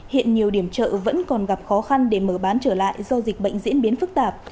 hiện nhiều điểm chợ vẫn còn gặp khó khăn để mở bán trở lại do dịch bệnh diễn biến phức tạp